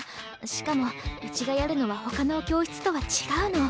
しかもうちがやるのはほかのお教室とは違うの。